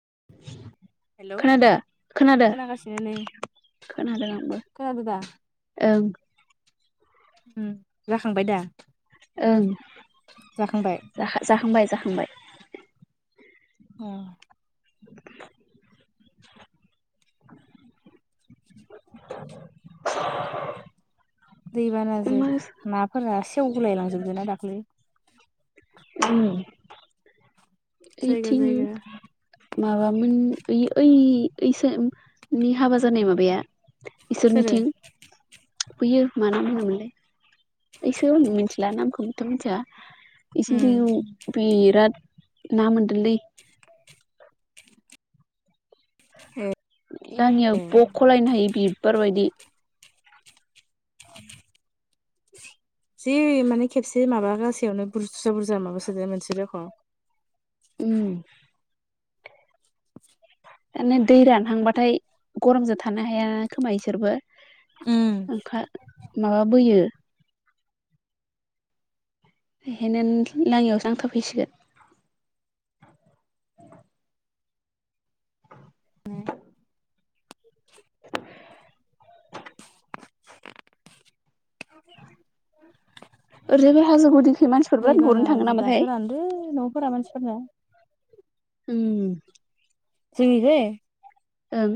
[inaudible] [unintelligible] Hello खोनादो खोनादो खोनागासिनो नै खोनादों आंबो खोनादों दा? ओं जाखांबाय दा? ओं जाखांबाय जाखांबाय जाखांबाय। अ [inaudible] दैबानाजों नाफोरा सेवगुलाय लांजोबदों ना दाख्लै उम जायगा ओइथिं जायगा माबामोन ओय ओय ओयसोरनि हाबा जानाय माबाया सोरो? इसोरनिथिं बैयो मा नाम होनोमोनलाय [inaudible] मिथिला नामखौबोथ' मिथिया इसे उम बेराद ना मोनदोंलै लांयिआव ए बख'लायनो हायो बिबार बायदि [inaudible] जि माने खेबसे माबा गासयावनो बुरजा बुरजा माबासोदो मोनसे रख'म उम माने दै रानहांबाथाय गरमजों थानो हायााना खोमा इसोरबो। उम [inaudible] माबा बोयो बेखायनो लाङियावसो नांथाबफैसिगोन [unintelligible] ओरैजायबो हाजो गुदिखै मानसिफोर [unintelligible] बिराद गुरनो दैबाना थाङो जि नामाथाय दासो रानदों न'फोरा मानसिफोरनो उम जोंनिखै? ओं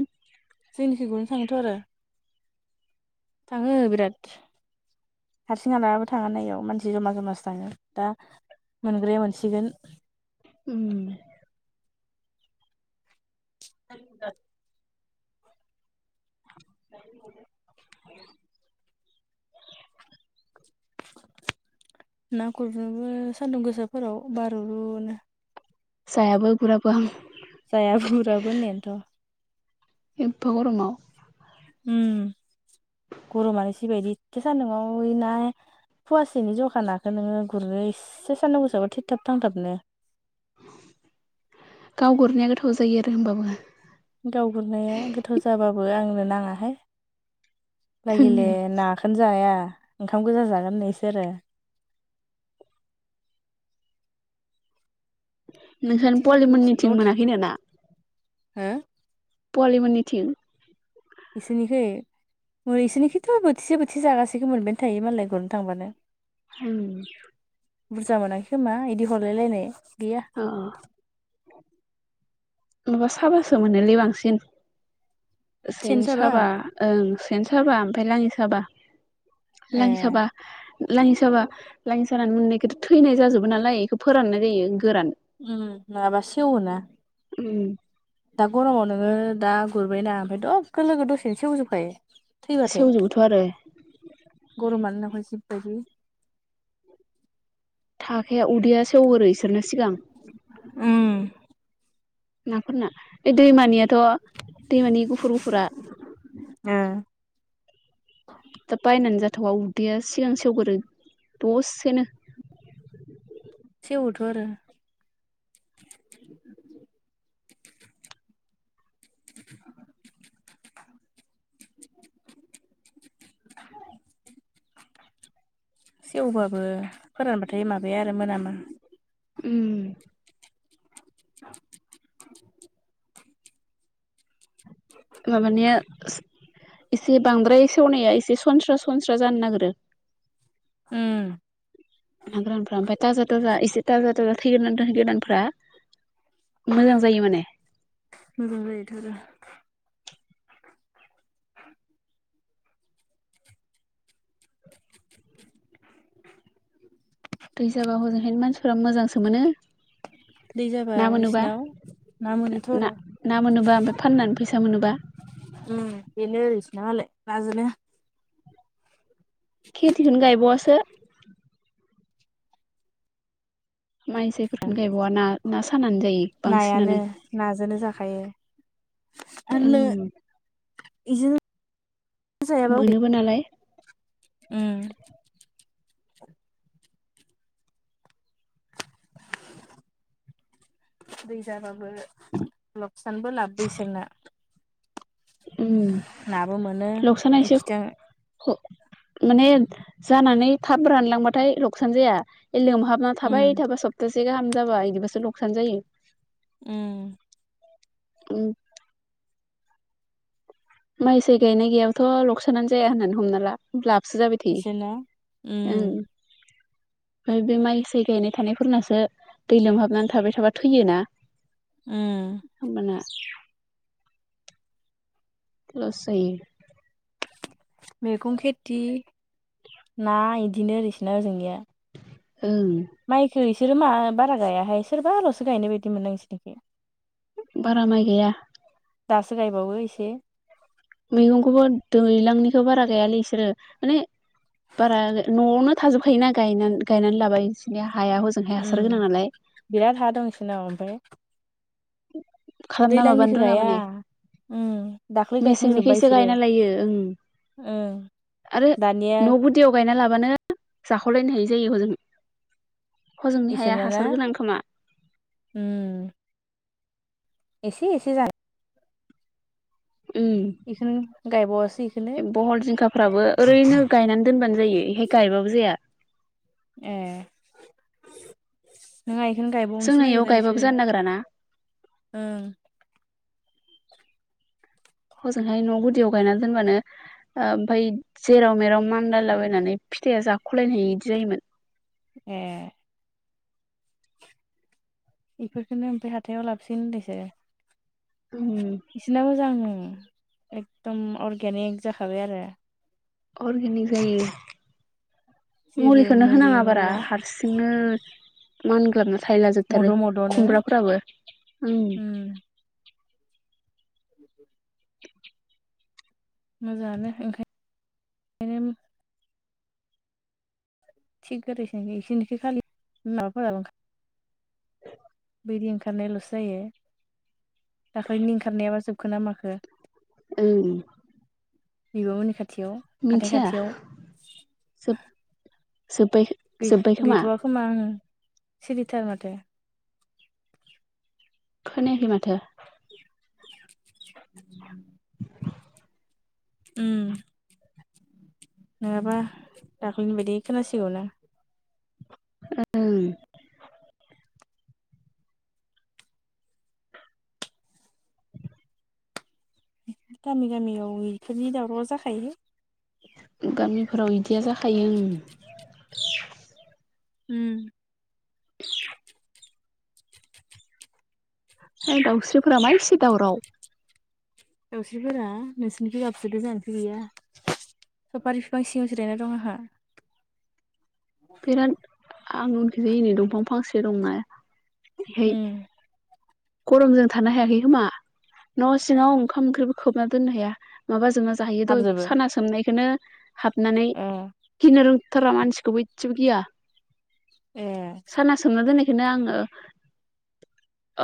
जोंनिखैबो थांओथ' आरो थाङो बिराद हारसिं हलाबो थाङाना एयाव मानसि जमा जमासो थाङो दा मोनग्राया मोनसिगोन उम [inaudible] [unintelligible] ना गुरनोबो सान्दुं गोसाफोराव बारुरुनो जायाबो गुराबो हां जाया गुराबो होननायानोथ' एम्फा गरमाव उम गरमानो जिबायदि एथ सान्दुंआव ना फुवासेनि जखा नाखौ नोङो गुरनो इसे सान्दुं गोसायाव थैथाब थांथाबनो गाव गुरनाया गोथाव जायो आरो होमबाबो नो नाङाहाय लागिले नाखौनो जाया ओंखाम गोजा जागोन नै इसोर आरो नोंसोरानो पलिमोननिथिं मोनाखै ना हा सयालि मोननिथिं बिसोरनिखै मैसोरनिखिथ' बोथिसे बोथिसे जागासिखखौ मोनबायानो थायो मालाय गुरनो थांबानो बुरजा मोनाखै खोमा बिदि हरलायलायनाय अ अ माबा साबासो मोनोलै बांसिन सेन साबा ओं सेन साबा ओमफ्राय लाङि साबा ए लांङि साबा लांङि साबा लाङि सानानै मोननायखौथ' थैनाय जाजोबो नालाय बेखौ फोराननाय जायो गोरान उम माबा सेवोना उम दा गरमाव नोङो दा गुरबायना ओमफ्राय दग लोगो दसेनो एसेवजोबखायो थैबाथाय सेवजोबोथ' आरो गरमानो न बायदि थाखाया उदैया सेवहरो इसोरनो सिगां उम नाफोरना एदैमानियाथ' दैमानि गुफुर गुफुरा ओ दा बायनानै जाथावा उदैया सिगां सेवगोरो दसेनो सेवोथ' आरो [unintelligible] [inaudible] सेवबाबो फोरानबाथाय माबाया आरो मोनामा उम [inaudible] मबानिआ एसे बांद्राय सेवनाया एसे सनस्रा सनस्रा जानो नागिरो उम ना गोरानफ्रा ओमफाय थाजा थाजा थाजा थाजा थैग्रानै दोन गोदानफ्रा मोजां जायो माने मोजां जायो थारा [inaudible] दै जाबा हजोंहायनो मानसिफोरा मोजांसो मोनो दै जाबा ना मोनोबा इसिनाव ना मोनोथ' आरो ना मोनोबा ओमफ्राय फाननानै फै सा मोनोबा उम बिनो इसना मालाय नाजोंनो खेथिखौ गायबावआसो माइ जफोरखौनो गायबावा ना ना सानानै जायो नायानो बांसिनानो आनो ओम इदिनो जायाबा मोनोबो नालाय उम [inaudible] दै जाबाबो लकसानबो लाबबो इसोरना ओम नाबो मोनो लकसानायसो एखिथां माने जानानै थाब रानलांबाथाय लकसान जाया बे लोंहाबना उम थाबाय थाबा सप्तासे गाहाम जाबा इदिबासो लकसान जायो। उम उम माइसाइ गायनाय गैयाबाथ' लकसानानो जाया होननानै हमना ला होब्ला सो जाबाय इसोरना थायो ओं उम ओमफ्राय बे माइसाइ गायनाय थानायफोरनासो दै लोमहाबनानै थाबाय थाबा थैयोना। उम होमबाना लस जायो। मैगं खेथि ना इदिनो ओरैसोना ओजोंनिया ओं ओ इसोरो मा बारा गायाहाय सोरबा आल'सो गायनाय बायदि मोनो आं इसोरनिखो बारा माइ गाइया दासो गायबावो एसे मैगंखौबो दैलांनिखौ बारा गायालै इसोरो माने बारा न'आवनो थाजोबखायोना गायनां गायनानै लाबाय इसनिया हाया हजोंहाय हासार गोनां उम नालाय। बिराद हा दं इसोरनाव ओमफ्राय खालामना दैलांनिखौ माबानो रोङा गाया माने उम दाख्लै गायखांजोब्बाय मेसेंनिखैसो इसोरो गायना लायो ओं ओं आरो दानिया न' गुदियाव गायना लाबानो जाख'लायनो हायि जायो हजों। हजोंनि हाया इसोरना ना हासार गोनां खोमा। उम एसे एसे जां इखौनो गायबावासो इखौनो ओम बहल जिंखाफ्राबो ओरैनो गायनानै दोनबानो जायो एहाय गायबाबो जाया। ए नोङा इखौनो जोंना गायबावनोसो इयाव नागिरा गायबाबो इसोरो जानो नागिराना ओं हजोंहाय न' गुदियाव गायना दोनबानो ओमफ्राय जेराव मेराव मानलालाबायनानै फिथाइआ जाखलायनो हायि इदि जायोमोन। ए इफोरखोनो ओमफ्राय हाथायाव लाबोसिन होनदोंसो उम इसोना मोजां ओम एकदम अर्गेनिक जाखाबाय आरो। अर्गेनिक जायो। जेबो मुलिखौनो मुलि होनाङा बारा मुला हारसिंनो मानग्लोबना थायला जोबथारो मद' मद'नो खुमब्राफोराबो ओम। उम मोजाङानो ओंखाय नो थिग गोदैसिन जायो [unintelligible] खालि माबाफोराबो इदि ओंखारनायाल'सो जायो दाखैनि ओंखारनायाबा जोबखोन ना माखो। ओं बिब'मोननि खाथियाव हाथाय मिथिया खाथियाव जोब जोब्बाय गै जोब्बाय गैथ'वा खोमा ओं। सिरिथार माथो। खोनायाखै माथो। [inaudible] उम नङाबा दाख्लैनि बायदि खोनसिगौ ना। ओं गामि गामियाव बेफोरनि दावराव जाखायो। गामिफोराव इदिया जाखायो ओं। उम ओ दाउस्रिफोरा मा एसे दावराव? दावस्रिफोरा नोंसोरनिखै गाबसोदों जोंहानिथि गैया। सफारि बिफां सिङाव जिरायना दं आंहा। बिराद आं उनखै एनै दंफां फांसे दंना बेहाय उम। गरमजों थानो हायाखै खोमा न' सिङाव ओंखाम ओंख्रिबो खोबना दोननो हाया माबाजोंना जाहैयो दहाय हाबजोबो साना सोमनायखौनो हाबनानै ए गिनो रोंथारा मानसिखौबो इसेबो गिया ए साना सोमना दोननाय बेखायनो आङो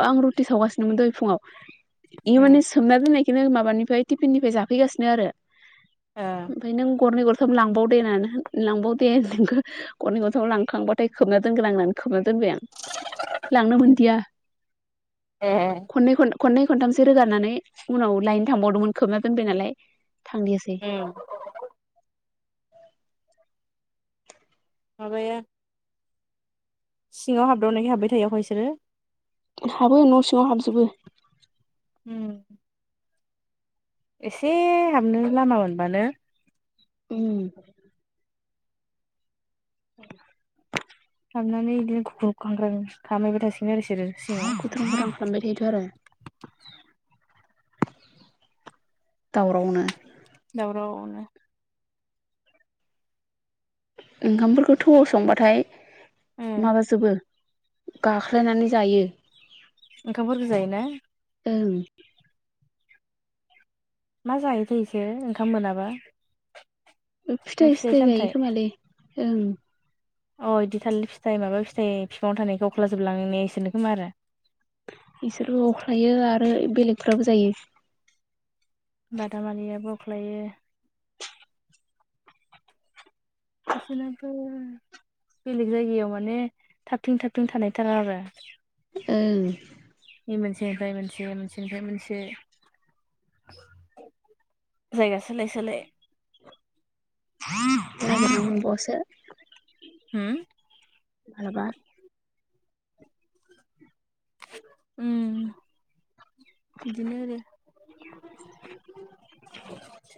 आं रुटि सावगासिनोमोन दहाय फुङाव इयो उम माने सोमनाय दोननायखौनो माबानिफ्राय टिफिननिफ्राय जाफैगासिनो आरो ए ओमफ्राय नों गरनै गरथाम लांबावदेनो लांबावदे नोंखौ गरनै गरथाम लांखांबाथाय खोबना दोनगोन आं होननानै खोबना दोनबाय आं लांनो मोनदिया। ए खननै खननै खनथामसो रोगानानै उनाव लायनो थांबावदोंमोन खोबना दोनबाय नालाय। थांनायासै उम माबाया सिङाव हाबदावनायखाय हाबबाय थाया बिसोरो हाबो न' सिङाव हाबजोबो। उम एसे हाबनो लामा मोनबानो उम। [inaudible] हाबनानै गिदिंनो खुग्लुब खांग्रा खालामसै बाय थासिगोन आरो इसोरो उलथां सिङाव। फालथां खालामबाय थायोथ' आरो दावरावनो दावरावनो ओंखामफोरखौ थौआव संबाथाय उम माबाजोबो गाख्लायनानै जायो। ओंखामफोररखौ जायोना? ओं। मा जायोथाय बिसोर ओंखाम मोनाबा? ना फिथाइ सिथाय जायो सामथाइ खोमालै ओं। अ बिदि थालिर फिथाइ माबा फिथाइ बिफाङाव थानायफोरखौ अख्लाजोबलांनाया इसोरनो खोमा आरो बिसोरबो अख्लायो आरो बेलेगफ्राबो जायो। बादामालियाबो अख्लायो- बिसोराबो बेलेग जायगायाव माने थाबथिं थाबथिं थानाय थाङा आरो ओं मोनसेनिफ्राय मोनसे मोनसेनिफ्राय मोनसे जायगा सोलाय सोलाय नागिरनो मोनबावयासो ह मालाबा उम बिदिनो आरो